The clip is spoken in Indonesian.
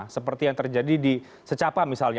seperti yang terjadi di secapa misalnya